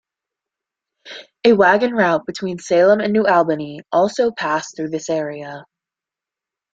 A wagon route between Salem and New Albany also passed through this area.